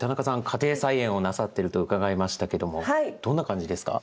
家庭菜園をなさってると伺いましたけどもどんな感じですか？